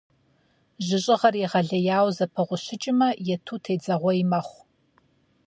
Жьыщӏыгъэр егъэлеяуэ зэпыгъущыкӏмэ, ету тедзэгъуей мэхъу.